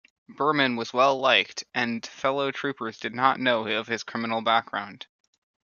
Berman was well liked, and fellow troopers did not know of his criminal background.